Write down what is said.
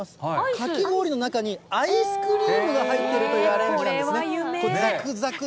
かき氷の中にアイスクリームが入ってるというアレンジなんですね。